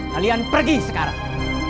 kalian pergi sekarang